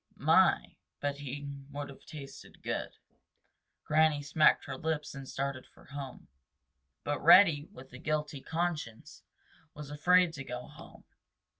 My, but he would have tasted good!" Granny smacked her lips and started for home. But Reddy, with a guilty conscience, was afraid to go home.